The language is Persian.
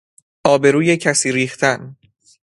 آبروی کسی ریختن